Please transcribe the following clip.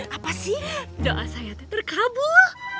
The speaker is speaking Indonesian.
apa sih doa saya terkabul